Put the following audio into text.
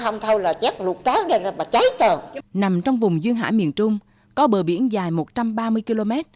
nằm trong vùng duyên hải miền trung có bờ biển dài một trăm ba mươi km